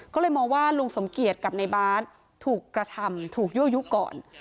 ก็เลยมองว่าลุงสมเกียจกับในบาสถูกกระทำถูกยั่วยุก่อน